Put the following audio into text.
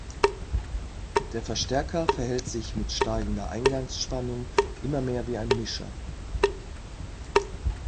Der Verstärker verhält sich mit steigender Eingangsspannung immer mehr wie ein Mischer.